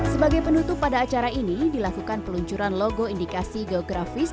sebagai penutup pada acara ini dilakukan peluncuran logo indikasi geografis